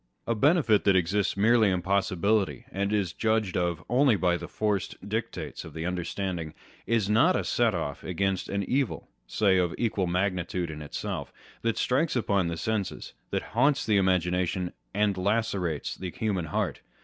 A benefit that exists merely in possibility, and is judged of only by the forced dictates of the understanding, is not a set off against an evil (say of equal magnitude in itself) that strikes upon the senses, that haunts the imagination, and lacerates the human heart.